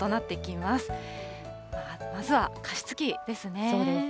まずは加湿器ですね。